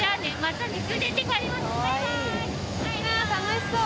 楽しそう！